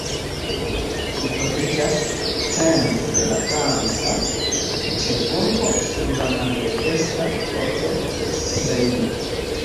Ĝi troviĝas centre de la franca ĉefurbo, sur la maldekstra bordo de Sejno.